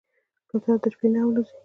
کوتره د شپې نه الوزي.